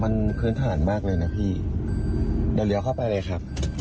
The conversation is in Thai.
มันพื้นฐานมากเลยนะพี่เดี๋ยวเลี้ยวเข้าไปเลยครับ